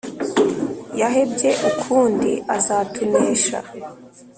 yahebye ukundi azatunesha